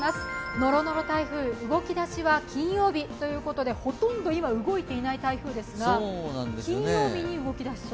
ノロノロ台風、動き出しは金曜日ということで、今ほとんど動いていない台風ですが、金曜日に動き出すと。